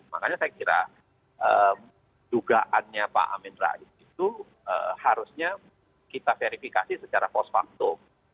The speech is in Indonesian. makanya saya kira dugaannya pak amin rais itu harusnya kita verifikasi secara post facto